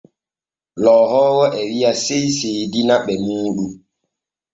Loohoowo o wi’i sey seedina ɓe muuɗum.